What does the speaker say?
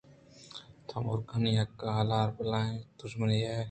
تو مُرگانی حقّ ءُ حِلار ءَ بلاہیں دژمن ئِے